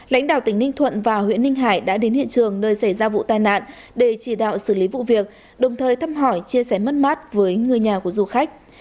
lãnh đạo tỉnh ninh thuận và huyện ninh hải đã đến hiện trường nơi xảy ra vụ tai nạn để chỉ đạo xử lý vụ việc đồng thời thăm hỏi chia sẻ mất mát với người nhà của du khách